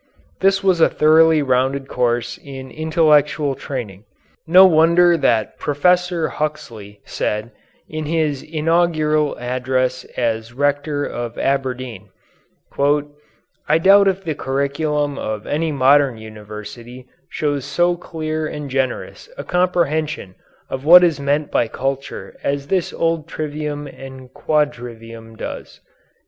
This was a thoroughly rounded course in intellectual training. No wonder that Professor Huxley said in his Inaugural Address as Rector of Aberdeen, "I doubt if the curriculum of any modern university shows so clear and generous a comprehension of what is meant by culture as this old trivium and quadrivium does."